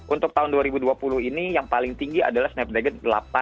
untuk tahun dua ribu dua puluh ini yang paling tinggi adalah snapdragon delapan ratus enam puluh lima